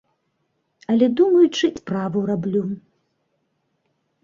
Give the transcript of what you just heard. Але думаючы і справу раблю.